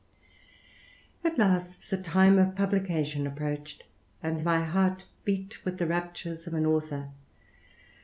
At last the time of publication approached, and my heart heat with the raptures of an author.